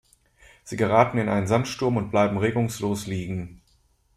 Sie geraten in einen Sandsturm und bleiben regungslos liegen.